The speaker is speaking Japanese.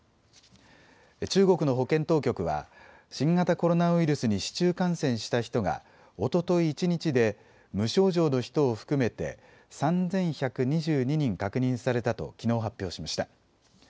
中国の保健当局は新型コロナウイルスに市中感染した人がおととい一日で無症状の人を含めて３１２２人確認されたときのう発表しました。